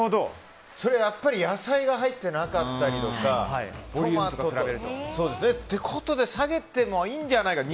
それは野菜が入ってなかったりとかトマトとか。ということで下げてもいいんじゃないかと。